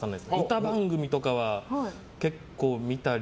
歌番組とかは結構見たり。